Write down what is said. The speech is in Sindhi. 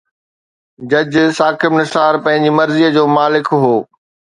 جج ثاقب نثار پنهنجي مرضي جو مالڪ هو.